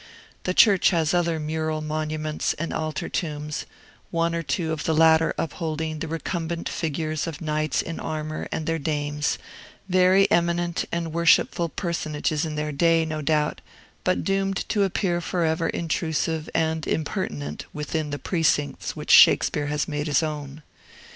The church has other mural monuments and altar tombs, one or two of the latter upholding the recumbent figures of knights in armor and their dames, very eminent and worshipful personages in their day, no doubt, but doomed to appear forever intrusive and impertinent within the precincts which Shakespeare has made his own.